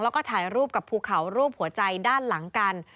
แล้วก็ถ่ายรูปกับภูเขารูปหัวใจด้านหลังกัน